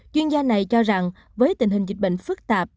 chuyên gia này cho rằng với tình hình dịch bệnh phức tạp